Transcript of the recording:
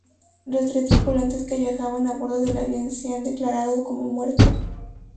Los tres tripulantes que viajaban a bordo del avión se han declarado como muertos.